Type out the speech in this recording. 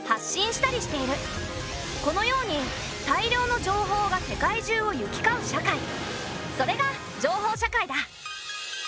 このように大量の情報が世界中を行き交う社会それが「情報社会」だ。